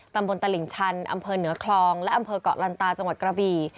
ตำบลตลิ่งชันอำเภอเหนือคลองและอำเภอกเกาะลันตาจังหวัดกระบี่